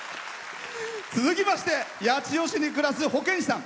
続きまして八千代市に暮らす保健師さん。